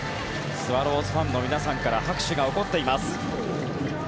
スワローズファンの皆さんから拍手が起こっています。